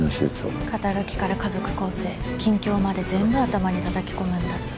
肩書から家族構成近況まで全部頭にたたき込むんだって。